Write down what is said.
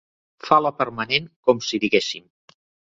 Fa la permanent, com si diguéssim.